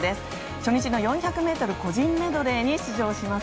初日の４００ｍ個人メドレーに出場します。